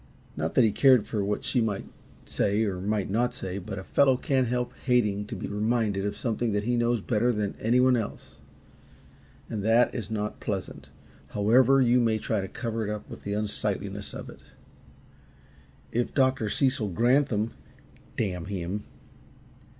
Not that he cared for what she might say or might not say, but a fellow can't help hating to be reminded of something that he knows better than anyone else and that is not pleasant, however you may try to cover up the unsightliness of it. If Dr. Cecil Granthum damn him!